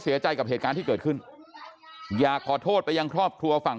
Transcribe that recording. เสียใจกับเหตุการณ์ที่เกิดขึ้นอยากขอโทษไปยังครอบครัวฝั่ง